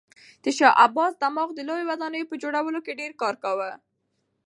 د شاه عباس دماغ د لویو ودانیو په جوړولو کې ډېر کار کاوه.